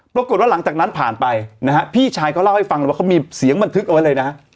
ปรากฏว่าหลังจากนั้นผ่านไปนะฮะพี่ชายเขาเล่าให้ฟังเลยว่าเขามีเสียงบันทึกเอาไว้เลยนะฮะ